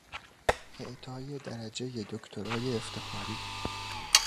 اعطای درجهی دکترای افتخاری